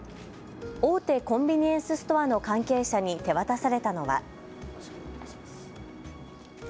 大手コンビニエンスストアの関係者に手渡されたのは。